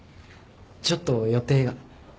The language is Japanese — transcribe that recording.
ちょっと予定が。